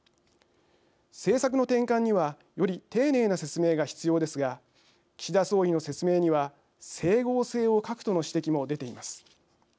政策の転換にはより丁寧な説明が必要ですが岸田総理の説明には整合性を欠くとの指摘も出ています。